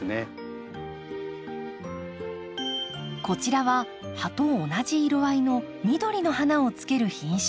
こちらは葉と同じ色合いの緑の花をつける品種。